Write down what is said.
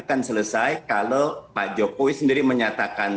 dan akan selesai kalau pak jokowi sendiri menyatakan